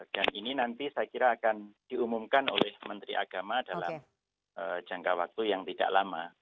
dan ini nanti saya kira akan diumumkan oleh menteri agama dalam jangka waktu yang tidak lama